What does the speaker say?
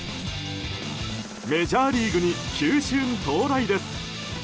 メジャーリーグに球春到来です。